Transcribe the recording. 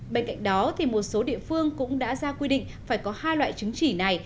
bên cạnh đó một số địa phương cũng đã ra quy định phải có hai loại chứng chỉ này